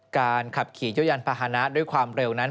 การขับขี่โยยาลประหาราชาณ์ด้วยความเร็วนั้น